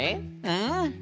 うん。